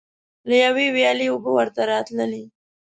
له یوې ویالې اوبه ورته راتللې.